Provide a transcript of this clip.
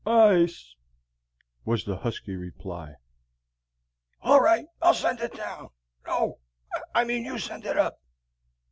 "Ice!" was the husky reply. "All right, I'll send it down. No, I mean, you send it up."